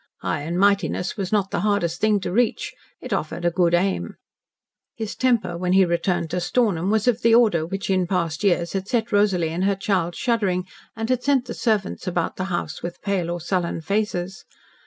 High and mightiness was not the hardest thing to reach. It offered a good aim. His temper when he returned to Stornham was of the order which in past years had set Rosalie and her child shuddering and had sent the servants about the house with pale or sullen faces.